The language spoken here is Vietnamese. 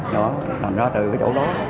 đó thành ra từ cái chỗ đó